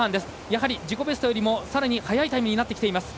やはり自己ベストよりも更に速いタイムになってきています。